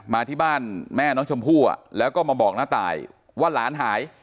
มาที่บ้านแม่น้องชมพู่แล้วก็มาบอกน้าตายว่าหลานหาย